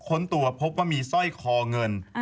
ขนตัวพบว่ามีซ่อยคอเงินอ่า